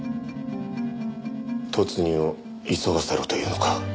突入を急がせろというのか？